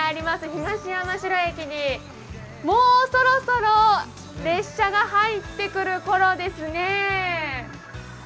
東山代駅にもうそろそろ列車が入ってくるころですね。